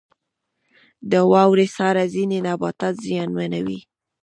• د واورې ساړه ځینې نباتات زیانمنوي.